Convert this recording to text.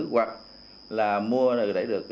hoặc là mua đẩy được